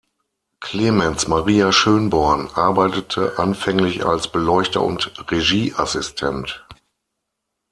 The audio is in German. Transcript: Clemens Maria Schönborn arbeitete anfänglich als Beleuchter und Regieassistent.